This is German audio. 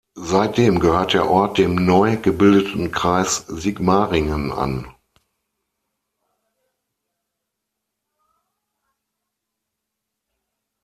Seitdem gehört der Ort dem neu gebildeten Kreis Sigmaringen an.